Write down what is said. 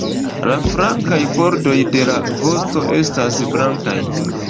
La flankaj bordoj de la vosto estas blankaj.